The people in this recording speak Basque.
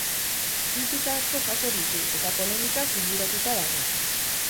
Kritika asko jaso ditu eta polemikaz inguratuta dago.